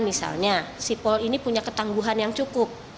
misalnya sipol ini punya ketangguhan yang cukup